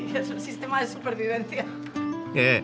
ええ。